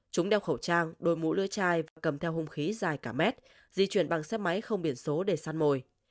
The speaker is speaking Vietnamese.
chúng đeo khẩu trang đôi mũ lưỡi chai và cầm theo hung khí dài cả mét di chuyển bằng xe máy không biển số để săn mồi